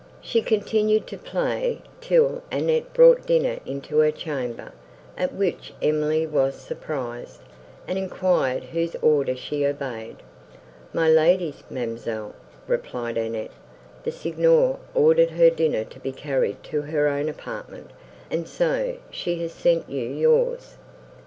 She continued to play, till Annette brought dinner into her chamber, at which Emily was surprised, and enquired whose order she obeyed. "My lady's, ma'amselle," replied Annette: "the Signor ordered her dinner to be carried to her own apartment, and so she has sent you yours.